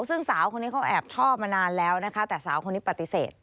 ซึ่งสาวคนนี้เขาแอบชอบมานานแล้วนะคะแต่สาวคนนี้ปฏิเสธ